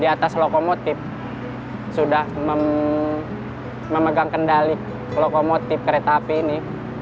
di atas lokomotif sudah memegang kendali lokomotif kereta api ini